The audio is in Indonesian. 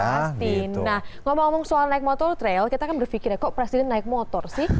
pasti nah ngomong ngomong soal naik motor trail kita kan berpikir ya kok presiden naik motor sih